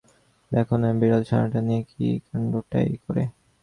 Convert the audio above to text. দেখো না বিড়ালছানাটাকে নিয়ে কী কাণ্ডটাই করে!